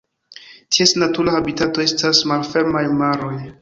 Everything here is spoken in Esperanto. Ties natura habitato estas malfermaj maroj.